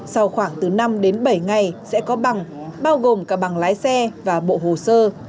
sau khoảng từ năm đến bảy ngày sẽ có bằng bao gồm cả bằng lái xe và bộ hồ sơ